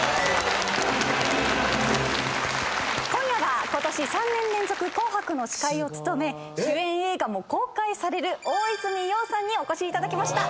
今夜はことし３年連続『紅白』の司会を務め主演映画も公開される大泉洋さんにお越しいただきました。